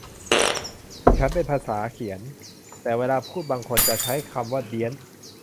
ดิฉันเป็นภาษาเขียน แต่เวลาพูดบางคนจะใช้คำว่าเดี๊ยน